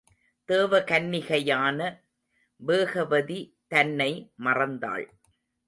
தேவ கன்னிகையான வேகவதி, தன்னை மறந்தாள்.